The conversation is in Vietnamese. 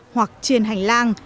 hoặc trên hành lang